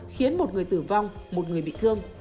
khiến một người tử vong một người bị thương